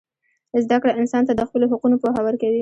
زدهکړه انسان ته د خپلو حقونو پوهه ورکوي.